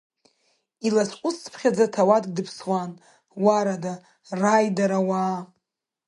Илацәҟәысцыԥхьаӡа ҭауадк дыԥсуан, Уарада, раидара, уаа!